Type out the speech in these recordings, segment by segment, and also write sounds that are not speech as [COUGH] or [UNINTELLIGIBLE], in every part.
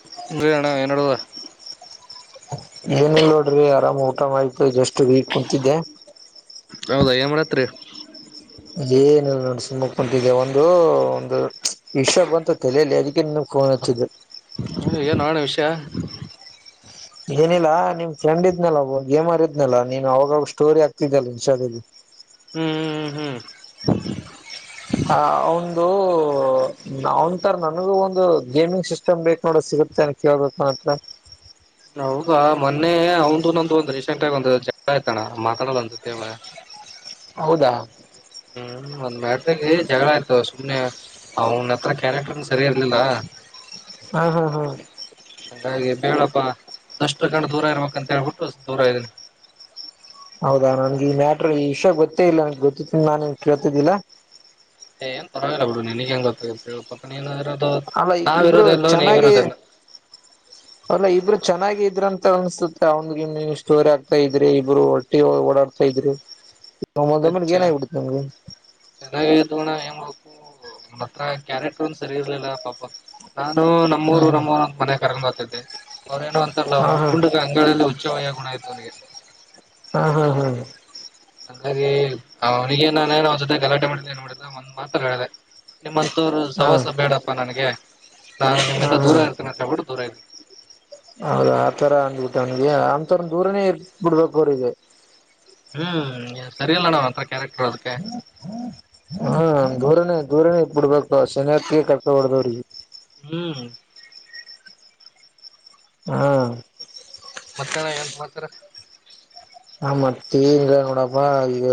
ಹಾ ನಣ ಏನ್ ನಡುದ ಏನಿಲ್ಲ ನೋಡ್ರಿ ಆರಾಮ್ ಊಟಾಮ ಆಯ್ತು ಜಸ್ಟ್ ವೀ ಕುಂತಿದ್ದೆ ಹೌದಾ ಏನ್ ಮಾಡಾಕತ್ತೀರಿ ಏನಿಲ್ಲ ನೋ ಸುಮ್ಮ ಕುಂತಿದ್ದ ಒಂದು ಒಂದು ವಿಷ ಬಂತ ತಲೆಗೆ ಅದಿಕ್ಕೆ ನಿನ್ ಫೋನ್ ಹಚ್ಚಿದೆ ಏನ್ ಹೇಳಣ್ಣ ವಿಷಯ ಏನಿಲ್ಲಾ ನಿಮ್ ಫ್ರೆಂಡ ಇದ್ನಲ್ಲ ಏರಿದ್ನಾ ನೀನ್ ಅವಾಗಾಗ ಸ್ಟೋರಿ ಆಗ್ತಿದ್ದಲ್ಲಂಷದಲ್ಲಿ ಹ್ಮ್ ಹ್ಮ್ ಹ್ಮ್ ಹ್ಮ್ ಆ ಒಂದು ಅವನ್ಂತರ ನನಗೂ ಒಂದು ಗೇಮಿಂಗ್ ಸಿಸ್ಟಮ್ ಬೇಕಕ್ ನೋಡ ಸಿಗುತ್ತೆ ಅನ್ ಕೇಳಪ್ಪ ಹಂಗಾದ್ರೆ ಹಗ ಮೊನ್ನೆ ಅವ ನಂದು ಒಂದ ರೀಸೆಂಟ್ ಆಗಿ ಒಂದು ಜ ಆಯ್ತಣ ಮಾತಾಡಲ್ಲ ಅಂತೇವ ಹೌದಾ ಹ್ಮ್ ಒಂದ್ ಮೆಡ್ದಾಗ ಜಗಳ ಆಯ್ತು ಸುಮ್ನೆ ಅವನ ಹತ್ರ ಕ್ಯಾರೆಕ್ಟರ್ ಸರಿಯ ಇರ್ಲಿಲ್ಲ ಹಾ, ಹಾ, ಹಾ- ಹಂಗಾಗಿ ಬೇಳಪ್ಪ ದಷ್ಟ ಕಂಡ ದೂರ ಇರ್ಬೇಕಂತ ಹೇಳ್ಬಿಟ್ಟು ದೂರ ಇದೀನಿ ಹೌದಾ ನನ್ಗೆ ಈ ಮ್ಯಾಟ್ರ ಈ ವಿಷಯ ಗೊತ್ತೇ ಇಲ್ಲ ನನಗ್ ಗೊತ್ತಿತ್ತು ನಾನ್ ಕೇಳ್ತಿದ್ದಿಲ್ಲಾ ಏ ಏನ್ ಪರವಾಗಿಲ್ಲ ಬಿಡು ನಿನಗ್ ಎನ್ ಗೊತ್ತು ಹೇಳ್, ಪಾಪ ನೀನು ಇರೋದು ಅಲ್ಲ ನಾವ ಇಬ್ರು ಇರೋದೆಲ್ಲೋ ನೀ ಚೆನ್ನಾಗಿ ಇರೋದೆಲ್ಲ [UNINTELLIGIBLE] ಅಲ್ಲ ಇಬ್ರು ಚೆನ್ನಾಗಿದ್ರಂತ ಅನ್ಸುತ್ತೆ ಅವಂದ ಸ್ಟೋರಿ ಆಗ್ತಾ ಇದ್ರಿ ಇಬ್ರು ಓಡಾಡ್ತಾ ಇದ್ರು ಒಮ್ಮಿಂದೊಮ್ಮೆ ಏನ ಆಗಬಿಟ್ಟು ನಿಮ್ಗೆ. ಚೆನ್ನಾಗ ಆಯತೋಣ ಎನ್ ಮಾಡಬೇಕ ಅವ ಹತ್ರ ಕ್ಯಾರೆಕ್ಟರ್ ಒಂದ ಸರಿ ಇರ್ಲಿಲ್ಲ ಪಾಪ. ನಾನು ನಮ್ಮೂರು ನಮ್ಮೂರಂತ ಮನೆ ಕರ್ಕೊಂಡ್ ಬರ್ತಿದ್ದೆ ಅವ್ರೇನು ಲ್ಲ ಹಾ ಹಾ ಉಂಡ ಅಂಗಳಲ್ಲಿ ಉಚ್ಚ ವಯ ಗುಣ ಆಯ್ತೆಅವನಿಗೆ. ಹಾ, ಹಾ, ಹಾ ಹಂಗಾಗಿ ಅವ್ನಿಗೆ ನಾನೇನು ಅವ್ನ ಜೊತೆ ಗಲಾಟೆ ಮಾಡ ಏನ್ ಮಾಡ ಒಂದ್ ಮಾತ್ರ ಹೇಳೆ ನಿಮ್ಮ ಹಾ ಸವಾಸ ಬೇಡಪ್ಪಾ ನನಗೆ ನಾನು ಹಾ ನಿಮ್ಮಿಂದ ಹಾ ದೂರ ಇರ್ತೀನೆ ಅಂತಹೇಳ್ಬಿಟ್ಟು ದೂರ ಇದನಿ. ಹೌದಾ, ಆ ತರ ಅಂದ್ಬಿಟ್ಟ ಅವನಗೆ ಅ ತರ ದೂರನೇ ಇದ ಬಿಡ್ಬೇಕ ಅವ್ರಿಗೆ. ಹ್ಮ್, ಸರಿಯಲ್ಲ ನಾವ್ ಅಂತ ಕ್ಯಾರೆಕ್ಟರ್ ಹೇಳದಕ್ಕೆ. ಹ್ಮ, ದೂರನೆ-ದೂರನೆ ಇ ಬಿಡ್ಬೇಕು ಶನಿಹಕೆ ಕರ್ಕಬಾರದುಅವ್ರಿಗೆ. ಹ್ಮ್, ಹಾ, ಮತ್ತೆ ಅಣ್ಣ ಏನ್ ಸಮಾಚಾರ ಹ, ಮತ್ತೇನ್ ಇಲ್ನೋಡಪ್ಪಾ ಈಗ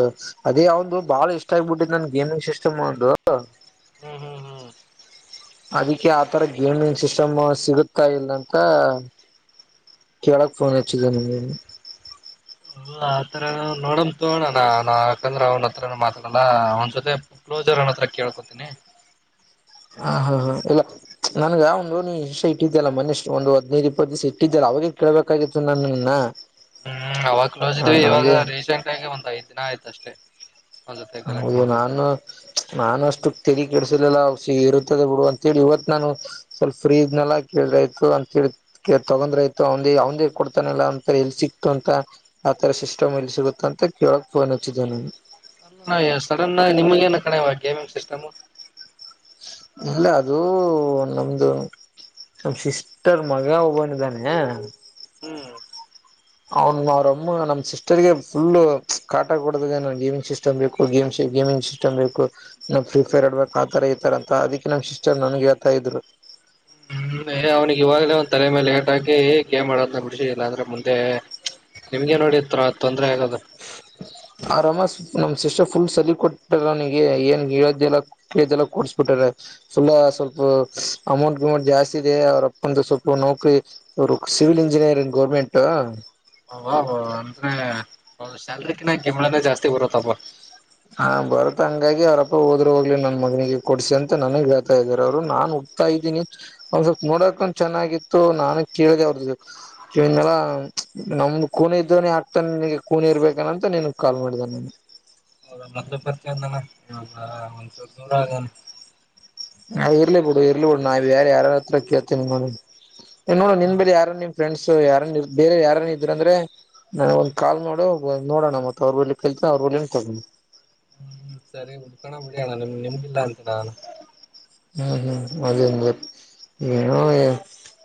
ಅದೇ ಅವ್ದಂದು ಬಾಳ ಇಷ್ಟ ಆಗ್ಬಿಟ್ಟಿದ ನನ್ ಗೇಮಿಂಗ್ ಸಿಸ್ಟಮ್ ಒಂದು. ಹ್ಮ್, ಹ್ಮ್ ಅದಕ್ಕೆ ಆತರ ಗೇಮಿಂಗ್ ಸಿಸ್ಟಮ್ ಸಿಗತಾ ಇಲ್ಲ ಅಂತ ಕೇಳಕ್ಫೋನ್ ಹಚ್ಚಿದ ನಿನಗ ಹ ಆತರ ನೋಡಮ ತೋಗಣ ಯಾಕಂದ್ರೆ ಅವನ್ ಹತ್ರನುಮಾತಾಡಲ್ಲ. ವನ್ಸತೆ ಕ್ಲೋಸಿರನ್ನ ಹತ್ರ ಕೇಳ್ಕೊತೇನಿ. - ಹಾ, ಹಾ, ಹಾ ಇಲ್ಲ ನನ್ಗ ಒಂದು ನೀ ಇಷ್ಯ ಇಟ್ಟಿದ್ದ್ಯಲ್ಲ ಮನಷ್ಟ ಒಂದು ಹದ್ನೈದ ಇಪ್ಪತ್ ದಿವಸ ಇಟ್ಟಿದ್ದಲ್ಲ ಅವಾಗ ಕೇಳಬೇಕಾಗಿತ್ತು ನಿನ್ನನ್ನ. ಹ್ಮ್, ಅವಾಗ ಕ್ಲೋಸ್ ಇದೀವಿ ಇವಾಗ ರೀಸೆಂಟ್ ಆಗಿ ಒಂದ್ ಐದ್ ದಿನ ಆಯ್ತು ಅಷ್ಟೆ. ಹೌದು, ನಾನು ನಾನು ಅಷ್ಟು ತಲಿ ಕೆಡ್ಸಲಿಲ್ಲಾ ಇರುತ್ತದ ಬಿಡು ಅಂತೇಳಿ ಇವತ್ ನಾನು ಸ್ವಲ್ಪ ಫ್ರೀ ಇದ್ನಲ್ಲ ಕೇಳಿದ್ರಾಯಿತು ಅಂತ ಹೇಳಿ ತಗಂದ್ರ ಆಯತು ಅವಂದಿ ಅವಂದ ಕೊಡ್ತಾನಲ್ಲ ಒಂತ ಎಲ್ಲಿ ಸಿಕ್ತು ಅಂತ ಆ ತರ ಸಿಸ್ಟಮ್ ಇಲ್ಲಿ ಸಿಗುತ್ತ ಅಂತ ಕೇಳಕ್ ಫೋನ್ ಹಚ್ಚಿದ್ದೆ ನಾನು. ಅಣ್ಣ ಸಡನ್ ಆಗಿನಿಮಗ ಏನ ಕಣ್ಣ ಗೇಮಿಂಗ್ ಸಿಸ್ಟಮ್ ಇಲ್ಲ ಅದು ನಮ್ದು ನಮ ಸಿಸ್ಟರ್ ಮಗ ಒಬ್ಬನಿದ್ದಾನೆ ಹ್ಮ್, ಅವ್ನ್ ಅವ್ರಮ್ಮ, ನಮ್ಮ್ ಸಿಸ್ಟರ್ಗೆ ಫುಲ್ ಕಾಟ ಕೊಡತಾಇದಾನೆ ಗೇಮಿಂಗ್ ಸಿಸ್ಟಮ್ ಸಿಸ್ಟಮ್ ಬೇಕ ಗೇಮ್ಸ್ ಗೇಮಿಂಗ್ ಸಿಸ್ಟಮ್ ಬೇಕು. ನಾ ಫ್ರೀಫೈರ್ ಆಡ್ಬೇಕ್ ಆತರ ಈತರ ಅದಕ್ಕೆ ನಮ್ ಸಿಸ್ಟರ್ ನನ್ಗ್ ಹೇಳ್ತಾ ಇದ್ರು. ಹ್ಮ್ ಅವ್ನಿಗೆ ಇವಾಗ್ಲೇ ಒಂದ ತಲೆ ಮೇಲೆ ಎಟಹಾಕಿ ಕೇ ಮಾಡೋದನ್ನ ಬಿಡಿಸಿ. ಇಲ್ಲಾಂದ್ರೆ ಮುಂದೆ ನಿಮ್ಗೆ ನೋಡಿತ್ರ ತೊಂದ್ರರೆ ಆಗೋದು. ಆವರಮ್ಮ, ನಮ್ ಸಿಸ್ಟರ್ ಫುಲ್ ಸಲಿಗೆ ಕೊಟ್ಟರ ಅವ ನಿಗೆ ಏನ್ ಹೇಳಿದೆಲ್ಲ ಕೊಡ್ಸಬಿಟ್ಟಾರೆ. ಸುಳ ಸ್ವಲ್ಪ ಅಮೌಂಟ್ ಗಿಮೌಂಟ್ ಜಾಸ್ತಿ ಇದೆ ಅವ್ರ ಅಪ್ಪಂದು ಸ್ವಲ್ಪ ನೌಕರಿ ರುಕ್ ಸಿವಿಲ್ ಇಂಜಿನಿಯರಿಂಗ್ ಗೌರ್ಮೆಂಟ್ ಅಬಾಬಾ ಅಂದ್ರೆ ಅವ್ರ ಸ್ಯಾಲರಿಗಿಂತ ಗಿಂಬಳನ ಜಾಸ್ತಿ ಬರುತ್ತಪ್ಪಾ ಹಾ ಬರತ್ ಹಂಗಾಗಿ ಅವ್ರಪ್ಪ ಹೋದ್ರ ಹೋಗ್ಲಿ ನನ್ ಮನಿಗೆ ಕೊಡ್ಸಿ ಅಂತ ನನಗ್ ಹೇಳ್ತಾ ಇದ್ದಾರೆ ಅವರು ನಾನು ಒಂದು ಸ್ವಲ್ಪ ನೋಡಾಕು ಚೆನ್ನಾಗಿತ್ತು ನಾನು ಕೇಳಿದೆ ಅವ್ರ ಇವನ್ನೆಲ್ಲ ನಮ್ದ ಕೂಣೆ ಇದ್ದಾನೆ ಆಗ್ತಾನ ನಿಗೆ ಕೂಣೆ ಇರ್ಬೇಕನಂತ ನಿನಗ್ ಕಾಲ್ ಮಾಡ್ದಾನ ನಾನು ಹೌದ ಮೊದಲ ಪರಿಚಯ ಇದ್ದ ಇವಾಗ ಒಂಚೂರು ದೂರ ಆಗಾನ ನಾ ಇರ್ಲಿ ಬಿಡು ಇರ್ಲಿ ಬಿಡು ನಾವು ಯಾರ ಯಾರ ಹತ್ರ ಕೇತೇನ ನೋಡಿನ ನೋಡ ನಿನ್ ಬೇರೆ ಯಾರ ನಿಮ್ ಫ್ರೆಂಡ್ಸ್ ಯಾರು ಬೇರೆ ಯಾರ ಇದ್ರ ಅಂದ್ರೆ ನನಗೆ ಒಂದು ಕಾಲ್ ಮಾಡೋ ನೋಡೋಣ ಮತ್ತ ಅವ್ರಳ್ಳಿ ಕರೀತಾರೆ ಅವ್ರ ಹೋಗಿಂದ ಹೋಗೋಣ ಹ್ಮ್ ಸರಿ ಉನ್ಸೋನ ಬಿಡಿಯೋಣ ನಿಮ್ ನಿಮಗಿಲ್ಲ ಅಂತನ ನಾನು ಹ್ಮ್ ಹ್ಮ್ ಅದೇ ನ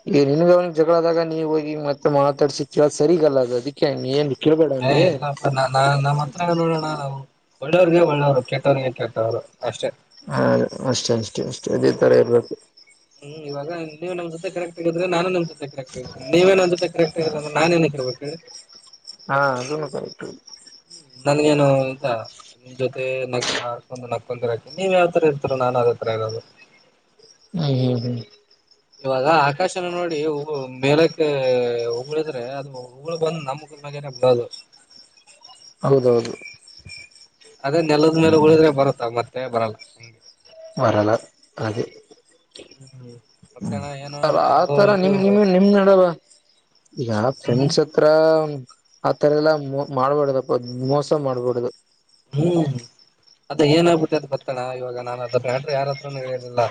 ಈಗ ನಿನ್ಗ ಅವನ ಜಗಳದಾಗ ನೀವ್ ಹೋಗಿ ಮತ್ತೆ ಮಾತಾಡ್ಸಕ್ಕೀ ಸರಿಗಲ್ಲ ಅದು ಅದಕ್ಕೆ ಏನ್ ಕೇಳ್ಬೇಡ ಏ ಅವನ್ಗೆ ಇಲ್ಲಪ್ಪ ನಾ ನಮ್ಮ್ ಹತ್ರ ನೋಡೋಣ ನಾವು ಒಳ್ಳೆಯವರಿಗೆ ಒಳ್ಳೆಯವರು ಕೆಟ್ಟವರಿಗೆ ಕೆಟ್ಟವರು ಅಷ್ಟೇ. ಹಾ ಅಷ್ಟೇ ಅಷ್ಟೇ ಅಷ್ಟೇ ಇದೇ ತರ ಇರ್ಬೇಕು ಹ್ಮ್ ಇವಾಗ ನೀವು ನಮ್ಮ ಜೊತೆ ಕರೆಕ್ಟಾಗಿ ಇದ್ರೆ ನಾನು ಕರೆಕ್ಟ್ ಆಗ ನೀವೆ ನನ್ನ ಜೊತೆ ಕರೆಕ್ಟಾಗಿ ಇಲ್ಲಾಂದ್ರೆ ನಾನ್ ಏನಕೆ ಇರ್ಬೇಕ ಹೇಳಿ ಹಾ ಅದನ್ನು ಸ್ವಲ್ಪ ಒನ್ನಲಾಗೇನ ಆತ ನಿಮ್ ಜೊತೆ ಆಡ್ಕೊಂತ ನಕುಂತ ನೀವ ಯಾವತರ ಇರ್ತರಾ ನಾನ್ ಅದೇ ತರ ಇರೋದು ಹ್ಮ ಹ್ಮ ಹ್ಮ್ ಇವಾಗ ಆಕಾಶನ ನೋಡಿ ಮೇಲಕ್ಕೆ ಉಗಳಿದ್ರೆ ಅದು ಉಗುಳ ಬಂದು ನಮ್ಮ ಮುಖದ ಮೇಲೆ ಬೀಳೋದು ಹೌದೌದು ಅದೇ ನೆಲದ ಮೇಲೆ ಉಗಳಿದ್ರೆ ಬರುತ್ತ ಮತ್ತೆ ಬರಲ್ಲ ಹಂಗೆ ವರಲ್ಲ ಅದೆ ಹ್ಮ್ ಮತ್ತಣ ಏನೋ ಅಲ್ಲ ಯಾವ್ದೋ ಆತರ ಇದು ನಿಮ ನಿಮ್ ನಿಮ್ ನಡಲ್ಲ ಯಾವ ಹ್ಮ್ ಫ್ರೆಂಡ್ಶಿಪ್ ಹತ್ರ ಆ ತರ ಎಲ್ಲ ಮಾಡಬಾರದಪ್ಪ ಮೋಸ ಮಾಡ್ಬಾರಡದು ಹ್ಮ್ ಅದೇ ಏನಾಗಗ್ಬಿಟ್ಟೆ ಅದು ಗೊತ್ತಣ ಇವಾಗ ನಾನ ಮ್ಯಾಟರ್ ಯಾರ ಹತ್ರನು ಹೇಳಿರ್ಲಿಲ್ಲ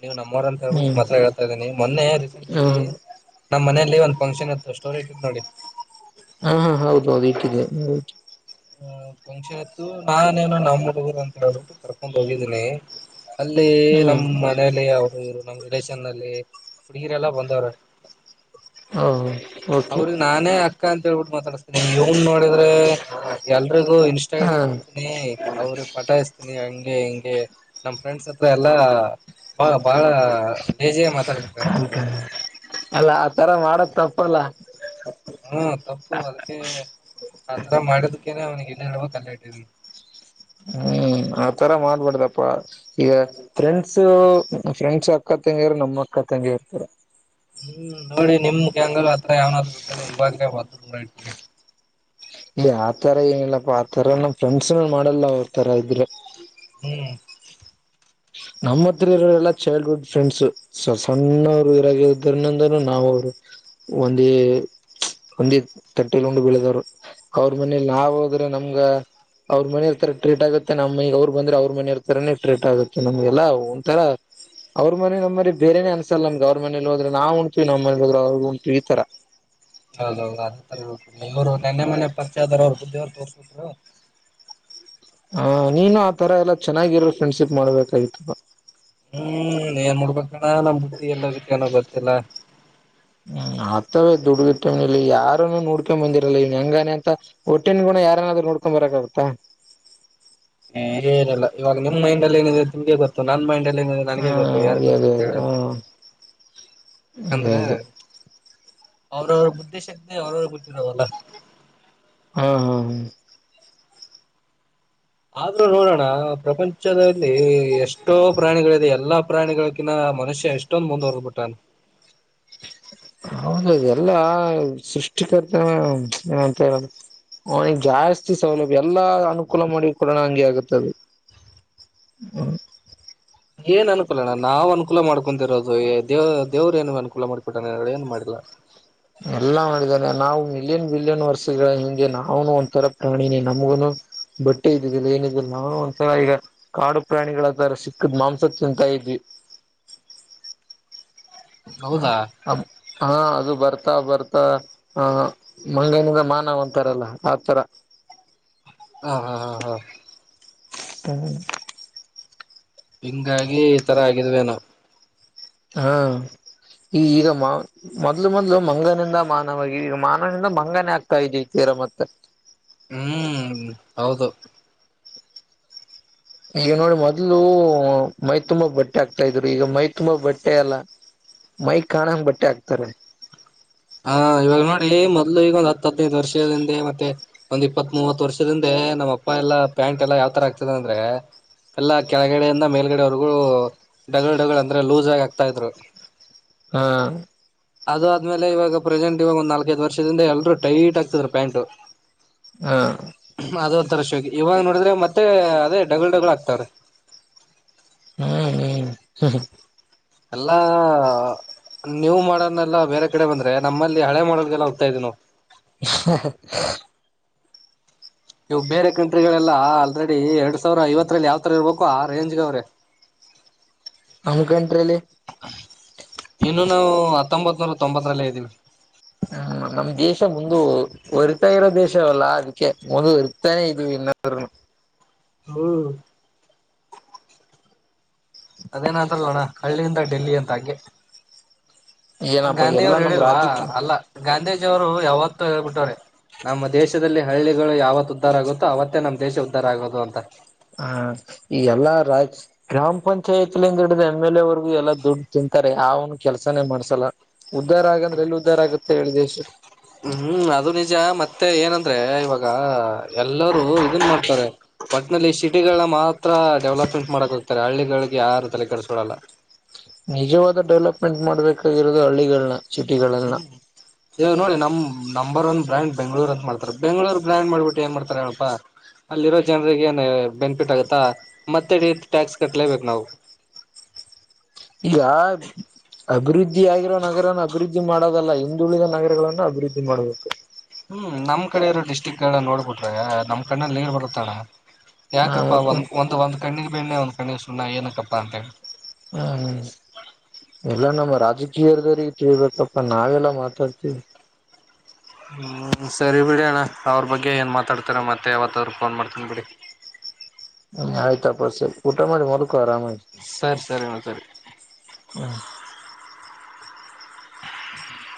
ನೀವು ನಮ್ಮವರ ಅಂತ ಹೇಳ್ಬಿಟ್ಟು ಹ್ಮ್ ನಿಮ್ಮತ್ರ ಹೇಳ್ತಾ ಇದೀನಿ ಮೊನ್ನೆ ರೀಸೆಂಟ್ ಅಲ್ಲಿ ಹ ನಮ್ಮನೇಲಿ ಒಂದು ಫಂಕ್ಷನ್ ಇತ್ತು ಸ್ಟೋರಿ ಇಟ್ಟಿದ್ದೇನೆ ನೋಡಿ ಹಾ ಹಾ ಹೌದು ಹೌದು ಇಟ್ಟಿದೆ ಹ ಫಂಕ್ಷನ್ ಇತ್ತು ನಾನೇನ ನಮ್ ಹುಡುಗರು ಅಂತ ಹೇಳ್ಬಿಟ್ಟು ಕರ್ಕೊಂಡ್ ಹೋಗಿದ್ದೀನಿ ಅಲ್ಲಿ ಹ್ಮ್ ನಮ್ಮ್ ಮನೇಲಿ ಅವರು ಇವರು ನಮ್ಮ್ ರಿಲೇಷನ್ ನಲ್ಲಿ ಹುಡುಗೀರೆಲ್ಲ ಬಂದವರೇ ಹ ಓಕೆ ಅವ್ರಿಗೆ ನಾನೇ ಅಕ್ಕ ಅಂತ ಹೇಳ್ಬಿಟ್ಟು ಮಾತಾಡಿಸತೀನಿ ಇವನ್ ನೋಡಿದ್ರೆ ಎಲ್ರಿಗೂ ಇನ್ಸ್ತ ಐಡಿ ಹಾ ಕೊಡ್ ಿ ಅವ್ರ ಪಟಾಯಸ್ತೀನಿ ಹಂಗೆ ಹಿಂಗೆ ನಮ್ ಫ್ರೆಂಡ್ಸ್ ಹತ್ರ ಎಲ್ಲಾ ಬಾ ಬಾಳ ಲೇಜಿಯಾಗಿ ಮಾತಾಡ್ಬಿಡ್ತಾನ ಹ ಅಲ್ಲ ಆ ತರ ಮಾಡೋದು ತಪ್ಪಲ್ಲ ಹ್ಮ್ ತಪ್ಪು ಅದಕ್ಕೆ ಆತರ ಮಾಡಿದಕ್ಕೇನೆ ಅವನಿಗೆ ಎಲ್ಲಿ ಇಟ್ಟಿರಬೇಕು ಅಲ್ಲ ಇಟ್ಟಿದಿನೆ ಹ್ಮ್ ಆತರ ಮಾಡ್ಬಡ್ದಪ್ಪ ಈಗ ಫ್ರೆಂಡ್ಸ್ ಫ್ರೆಂಡ್ಸ್ ಅಕ್ಕ ತಂಗಿರ ನಮ್ಮ್ ಅಕ್ಕ ತಂಗಿರ ತರಾ ಹ್ಮ್ ನೋಡಿ ನಿಮ್ಮ ಗ್ಯಾಂಗ್ನಲ್ಲಿ ಯಾವನಾದ್ರು ಇರ್ತಾನೆ ಇವಾಗ ಒಂದು ದೂರ ಇಟ್ಟುಬಿಡಿ ಇ ಆತರ ಏನಿಲ್ಲಪ್ಪ ಆತರ ನಮ್ ಫ್ರೆಂಡ್ಸ್ನ ಮಾಡಲ್ಲ ಅವ್ರ ತರ ಇದ್ರೆ. ಹ್ಮ್ ನಮ್ಮ ಹತ್ರ ಇರೋರೆಲ್ಲಾ ಚೈಲ್ಡ್ ಹುಡ್ ಫ್ರೆಂಡ್ಸು. ಸ ಸಣ್ಣವರು ಇರಾಗ್ರ ಇದಂದ್ರಿಂದ ನಾವು ಅವ್ರು ಒಂದೇ ಒಂದೇ ತಟ್ಟಿಲಿ ಉಂಡ್ ಬೆಳೆದವ್ರು ಅವ್ರ ಮನೇಲಿ ಹ್ಮ್ ನಾವು ಹೋದ್ರೆ ನಮ್ [UNINTELLIGIBLE] ಗ ಅವ್ರ ಮನೆ ಇರ್ತರ ಟ್ರೀಟ್ ಆಗುತ್ತೆ ನಮ್ ಮನೆಗೆ ಅವ್ರ ಬಂದ್ರೆ ಅವ್ರ ಮನೆರ್ ತರಾನೇ ಟ್ರೀಟ್ ಆಗುತ್ತೆ. ನಮ್ಗೆಲ್ಲ ಒಂಥರ. ಅವ್ರ ಮನೆ ನಮ್ಮ ಮನಿ ಬೇರೆ ಅನ್ಸಲ್ಲ ನಮಗೆ ಅವ್ರ ಮನೇಲೋದ್ರೇ ನಾವ್ ಉಂಣ್ತೀವಿ ನಮ್ಮ ಮನೇಗ್ ಹೋದ್ರೇ ಉಂಣ್ತೀವಿ ಈ ತರ. ಹೌದೌದು ಅದ ತರ ಇರಬೇಕು ನೆನ್ನೆ ಮೊನ್ನೆ ಪರಿಚಯ ಆದಾರು ಅವ್ರ ಬುದ್ಧಿ ಅವರ್ ತೋರ್ಸ್ಬಿಡ್ತಾರೆ. ಹ ನೀನು ಆತರ ಎಲ್ಲ ಚೆನ್ನಾಗಿರೋ ಫ್ರೆಂಡ್ಶಿಪ್ ಮಾಡ್ಬೇಕಾಗಿತ್ತಪ್ಪ. ಹ್ಮ್ ಏನ್ ಮಾಡ್ಬೇಕಣ್ಣ ನಮ್ ಬುದ್ಧಿ ಎಲ್ಲ ಹೋಗಿತ್ತೋ ಏನೋ ಗೊತ್ತಿಲ್ಲಾ. ಹ್ಮ್ ಆತವ ದುಡ್ಡುಟ ಟೈಮ್ನ ಇಲ್ಲಿ ಯಾರನ್ನು ನೋಡ್ಕೊಂಡ ಬಂದಿರಲ್ಲ ಹೆಂಗಾವ್ನೇ ಅಂತ. ಹುಟ್ಟಿನ ಗುಣ ಯಾರನಾದ್ರು ನೋಡ್ಕೊಂಡ್ ಬರೋಕಾಗುತ್ತಾ. ಹ ಎನ್ನಿಲ್ಲ ಇವಾಗ ನಿಮ್ ಮೈಂಡಲ್ಲಿ ಏನಿದೆ ಅಂತ ನಿಮಗೆ ಗೊತ್ತು ನನ್ ಮೈಂಡಲ್ಲಿ [UNINTELLIGIBLE] ಇಲ್ಲಿ ಹ ನನಗೇ ಗೊತ್ತು ಯಾರಿಗ್ ಅದೇ ಅದೇ ಗೊತ್ತಿರುತ್ತೆ ಅದೇ ಹೇಳಿ ಹ ಅದೇ ಯಾಕಂದ್ರೆ. ಅದೇ ಅವ್ರವ್ರರ ಬುದ್ಧಿಶಕ್ತಿ ಅವರವರಿಗೆ ಬಿಟ್ಟಿರೋದಲ್ಲ. ಹಾ ಹಾ ಹಾ ಆದ್ರೂ ನೋಡೋಣ ಪ್ರಪಂಚದಲ್ಲಿ ಎಷ್ಟೋ ಪ್ರಾಣಿಗಳಿದೆ ಎಲ್ಲಾ ಪ್ರಾಣಿಗಳಗಿಂತ ಮನುಷ್ಯ ಎಷ್ಟೊ [UNINTELLIGIBLE] ಮುಂದುವರಿದುಬಿಟ್ಟಿದ್ದಾನೆ. ಹೌದು ಎಲ್ಲಾ ಸೃಷ್ಟಿಕರ್ತನ ಏನ್ ಅಂತ ಹೇಳದು. ಅವನಿಗೆ ಜಾಸ್ತಿ ಸೌಲಭ್ಯ ಎಲ್ಲಾ ಅನುಕೂಲ ಮಾಡಿ ಕೊಡೋಣ ಹಂಗೆ ಆಗುತ್ತದು. ಹ್ಮ ಏನ್ ಅನುಕೂಲ ನಾವು ಅನುಕೂಲ ಮಾಡ್ಕೊಂತಿರೋದು ದೇ ದೇವ್ರು ಏನು ಅನುಕೂಲ ಮಾಡ್ಕೊಟ್ಟನೇ ಏನ್ ಮಾಡಿಲ್ಲಾ. ಎಲ್ಲಾ ಮಾಡಿದ್ದಾರೆ ನಾವು ಮಿಲಿಯನ್ ಬಿಲಿಯನ್ ವರ್ಷಗಳ ಹಿಂದೆ ನಾವುನು ಒಂಥರ ಪ್ರಾಣಿನೇ ನಮ್ಗುನು ಬಟ್ಟೆ ಇದ್ದಿದ್ದಿಲ್ಲ ಏನಿದ್ದಿಲ್ಲ ನಾ ಒಂದ್ಸಲ ಈಗ. ಕಾಡು ಪ್ರಾಣಿಗಳ ತರ ಸಿಕ್ಕಿದ ಮಾಂಸ ತಿಂತ ಇದ್ವಿ. ಹ ಹೌದಾ ಹಾ ಅದು ಬರ್ತಾ ಬರ್ತಾ ಹ. ಮಂಗನಿಂಗ ಮಾನವ ಅಂತಾರಲ್ಲ ಆತರ. ಹಾ ಹಾ ಹಾ ಹಾ ಹ ಹಿಂಗಾಗಿ ಈ ತರ ಆಗಿದ್ವೇನೋ. ಹಾ ಈ ಈಗ ಮ ಮೊದ್ಲು ಮೊದ್ಲು ಮಂಗನಿಂದ ಮಾನವ ಆಗಿ ಈ ಮಾನವನಿಂದ ಮಂಗನೇ ಆಗ್ತಾ ಇದಿವಿ ತೀರ ಮತ್ತೆ. ಹ್ಮ್ ಹೌದು. ಈಗ ನೋಡಿ ಮೊದ್ಲು ಮೈ ತುಂಬಾ ಬಟ್ಟೆ ಆಕ್ತ ಇದ್ರು ಈಗ ಮೈ ತುಂಬಾ ಬಟ್ಟೆ ಅಲ್ಲ. ಮೈ ಕಾಣಂಗ್ ಬಟ್ಟೆ ಆಕ್ತಾರೆ. ಹಾ ಇವಾಗ ನೋಡಿ ಮೊದ್ಲು ಈಗ ಒಂದ್ ಹತ್ ಹದಿನೈದು ವರ್ಷದಿಂದೆ ಮತ್ತೆ ಒಂದ್ ಇಪ್ಪತ್ತ್ ಮೂವತ್ ವರ್ಷದಿಂದೆ ನಮ್ ಅಪ್ಪ ಎಲ್ಲ ಪ್ಯಾಂಟ್ ಎಲ್ಲಾ ಯಾವ್ ತರ ಆಕ್ತ ಇದ್ರು ಅಂದ್ರೆ. ಎಲ್ಲಾ ಕೆಳಗಡೆಯಿಂದ ಮೇಲ್ಗಡೆವರೆಗೂ ಡಗಲ್ ಡಗಲ್ ಅಂದ್ರೆ ಲೂಸ್ ಆಗಿ ಆಗ್ತಾ ಇದ್ರು. ಹಾ ಅದು ಆದ್ಮೇಲೆ ಇವಾಗ ಪ್ರೆಸೆಂಟ್ ಇವಾಗ ಒಂದ ನಾಲ್ಕೈದು ವರ್ಷದಿಂದ ಎಲ್ರು ಟೈಟ್ ಆಕ್ತ ಇದ್ರು ಪ್ಯಾಂಟ್. ಹಾ ಅದು ಒಂತರ ಶೋಕಿ ಇವಾಗ ನೋಡಿದ್ರೆ ಮತ್ತೆ ಅದೇ ಡಗಲ್ ಡಗಲ್ ಆಕ್ತಾವ್ರೇ. ಹ್ಮ ಹ್ಮ ಎಲ್ಲಾ ನ್ಯೂ ಮಾಡೋಲ್ ಎಲ್ಲ ಬೇರೆ ಕಡೆ ಬಂದ್ರೆ ನಮ್ಮಲ್ಲಿ ಹಳೆ ಮಾಡಲ್ಗೆಲ್ಲ ಹೋಗತ ಇದೀವಿ ನಾವು ಹ [INAUDIBLE] ಇವು ಬೇರೆ ಕಂಟ್ರಿಗಳೆಲ್ಲ ಆಲ್ರೆಡಿ ಎರಡ್ ಸಾವಿರ ಐವತ್ತರಲ್ಲಿ ಯಾವ ತರ ಇರ್ಬೇಕು ಆ ರೇಂಜ್ ಗ ಅವ್ರೆ ಹಂಗಟ್ರಲಿ ಇನ್ನು ನಾವು ಹತ್ತೊಂಬತ್ ನೂರ ತೊಂಬತ್ತರಲ್ಲೇ ಇದ್ದೀವಿ. ಹ್ಮ್ ನಮ್ ದೇಶ ಮುಂದು ಹೊರಿತಾ ಇರೋ ದೇಶವಲ್ಲ ಅದಕ್ಕೆ ಒರಿತಾನೆ ಇದೀವಿ ಇನ್ನಾದ್ನು ಹ್ಮ್ ಅದೇನ ಅಂತಾರಲ್ಲ ಅಣ್ಣ ಹಳ್ಳಿಯಿಂದ ಡೆಲ್ಲಿ ಅಂತ ಹಾಕಿ ಏನಪ್ಪಾ ಗಾಂಧಿಯ ಎಲ್ಲಾ ಅವರು ನಮ್ ಹೇಳಿಲ್ವಾ ರಾಜ್ಯಕ್ಕೆ ಅಲ್ಲ ಗಾಂಧೀಜಿಯ ಅವರು ಯಾವತ್ತು ಹೇಳ್ಬಿಟ್ಟ್ರೆ. ನಮ್ಮ ದೇಶದಲ್ಲಿ ಹಳ್ಳಿಗಳು ಯಾವತ್ ಉದ್ಧಾರ ಆಗುತ್ತೋ ಅವತ್ತೇ ನಮ್ಮ್ ದೇಶ ಉದ್ಧಾರ ಆಗೋದು ಅಂತ. ಹಾ ಈ ಎಲ್ಲಾ ರಾಜ ಗ್ರಾಮ ಪಂಚಾಯತ್ಲಿಂದ ಹಿಡಿದು ಎಮ್ ಎಲ್ ಎ ವರ್ಗು ಎಲ್ಲಾ ದುಡ್ಡು ತಿಂತಾರೆ ಆ ಒನ್ ಕೆಲ್ಸಾನೇ ಮಾಡ್ಸಲ್ಲ. ಉದ್ಧಾರ ಆಗಂದ್ರೆ ಎಲ್ಲಿ ಉದ್ಧಾರ ಆಗುತ್ತೆ ಹೇಳಿ ದೆೇಶ ಹ ಹ್ಮ್ ಅದು ನಿಜ ಮತ್ತೆ ಏನಂದ್ರೆ ಇವಾಗ ಎಲ್ಲರೂ ಇದನ್ ಮಾಡ್ತಾರೆ. ಒಟ್ನಲ್ಲಿ ಸಿಟಿಗಳ ಮಾತ್ರ ಡೆವಲಪ್ಮೆಂಟ್ ಮಾಡಕ ಹೋಗ್ತಾರೆ ಹಳ್ಳಿಗಳಿಗೆ ಯಾರು ತಲೆ ಕೆಡಸ್ಕೊಡಲ್ಲ ನಿಜವಾದ ಡೆವಲಪ್ಮೆಂಟ್ ಮಾಡ್ಬೇಕಾಗಿರೋದು ಹಳ್ಳಿಗಳನ್ನ ಸಿಟಿಗಳನ್ನ ಹ್ಮ್ ಈವಾಗ್ ನೋಡಿ ನಮ್ ನಂಬರ್ ಒನ್ ಬ್ರ್ಯಾಂಡ್ ಬೆಂಗಳೂರು ಅಂತ ಮಾಡ್ತಾರೆ ಬೆಂಗಳೂರು ಬ್ರ್ಯಾಂಡ್ ಮಾಡ್ಬಿಟ್ಟು ಏನ್ ಮಾಡ್ತಾರ ಹೇಳಪ್ಪ. ಅಲ್ಲಿರೋ ಜನರಿಗೆ ಏನ್ ಬೆನಿಫಿಟ್ ಆಗತ್ತಾ ಮತ್ತೆಡ ಟ್ಯಾಕ್ಸ್ ಕಟ್ಲೇಬೇಕು ನಾವು ಯಾರೊ ಅಭಿವೃದ್ಧಿಗಾಗಿರೋ ನಗರನ್ನ ಅಭಿವೃದ್ಧಿ ಮಾಡೋದಲ್ಲ ಹಿಂದುಳಿದ ನಗರಗಳಗಳನ್ನು ಅಭಿವೃದ್ಧಿ ಮಾಡ್ಬೇಕು. ಹ್ಮ್ ನಮ್ಮ್ಡೆಕಡೆ ಇರೋ ಡಿಸ್ಟ್ರಿಕ್ ಎಲ್ಲ ನೋಡ್ಬಿಟ್ರೆ ನಮ್ಮ್ ಕಣ್ಣಲ್ಲಿ ನೀರ್ ಬರುತ್ತಣ ಹಾ ಯಾಕಪ್ಪ ಮತ್ತ ಒಂದ ಒಂದ ಕಣ್ಣಿಗೆ ಬೆಣ್ಣೆ ಒಂದ್ ಕಣ್ಣಿಗೆ ಸುಣ್ಣ ಏನಕ್ಕಪ್ಪಾ ಅಂತ ಹೇಳಿ. ಹ್ಮ ಹ್ಮ [INAUDIBLE] ಎಲ್ಲಾ ನಮ್ಮ ರಾಜಕೀಯರ್ದವ್ರ ತಿಳ್ಬೇಕಪ್ಪಾ ನಾವೆಲ್ಲಾ ಮಾತಾಡ್ತಿವಿ. ಹ್ಮ್ ಸರಿ ಬಿಡಿ ಅಣ್ಣ ಅವ್ರ ಬಗ್ಗೆ ಏನ್ ಮಾತಾಡತೀರಾ ಮತ್ತೆ ಯಾವತ್ತ ಅವ್ರಿಗೆ ಫೋನ್ ಮಾಡ್ತೀನಿ ಬಿಡಿ. ಹ್ಮ್ ಆಯ್ತಾಪ್ಪಸೆ ಊಟ ಮಾಡಿ ಮಲ್ಕೋ ಆರಾಮಾಗಿ ಸರಿ ಸರಿ ಸರಿ ಮಾತಡಿ ಹ್ಮ ಹ್ಮ [INAUDIBLE]